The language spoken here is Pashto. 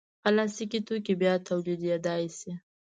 پلاستيکي توکي بیا تولیدېدای شي.